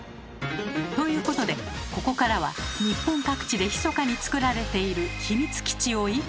ということでここからは日本各地でひそかに作られている秘密基地を一挙公開。